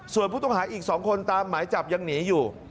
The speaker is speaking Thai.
ส่วนผู้ต้องหาอีก๒คนตามหมายจับยังหนีอยู่